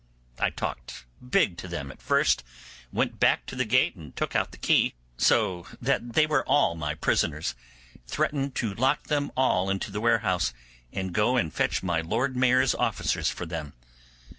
I talked big to them at first, went back to the gate and took out the key, so that they were all my prisoners, threatened to lock them all into the warehouse, and go and fetch my Lord Mayor's officers for them.